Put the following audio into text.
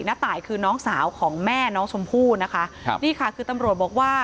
ตายคือน้องสาวของแม่น้องชมพู่นะคะครับนี่ค่ะคือตำรวจบอกว่า